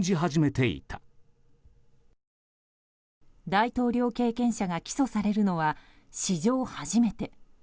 大統領経験者が起訴されるのは史上初めて。